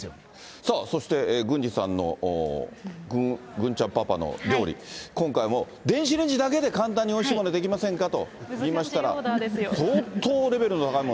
さあそして、郡司さんの、郡ちゃんパパの料理、今回も電子レンジだけで簡単においしいものが出来ませんかと言い難しいオーダーですよ。